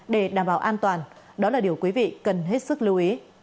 để đảm bảo an toàn đó là điều quý vị cần hết sức lưu ý